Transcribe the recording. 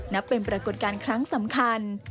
นับเป็นปรากฏการณ์ครั้งสำคัญ